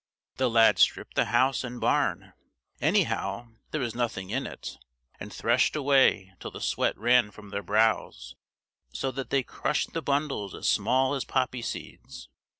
The lads stripped the house and barn (anyhow, there was nothing in it), and threshed away till the sweat ran from their brows, so that they crushed the bundles as small as poppy seeds.